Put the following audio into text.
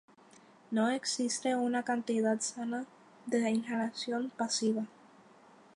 No existe una cantidad sana de inhalación pasiva.